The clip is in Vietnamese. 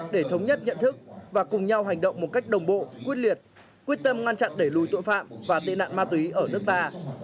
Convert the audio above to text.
để thống nhất nhận thức và cùng nhau hành động một cách đồng bộ quyết liệt quyết tâm ngăn chặn đẩy lùi tội phạm và tệ nạn ma túy ở nước ta